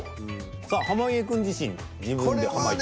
さあ濱家くん自身自分で「濱家」。